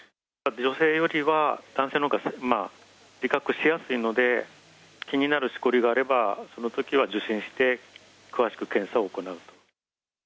女性よりは男性のほうが自覚しやすいので、気になるしこりがあれば、そのときは受診して、詳しく検査を行うと。